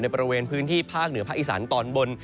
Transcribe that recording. บริเวณพื้นที่ภาคเหนือภาคอีสานตอนบน